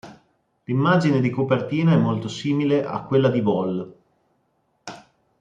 L'immagine di copertina è molto simile a quella di "Vol.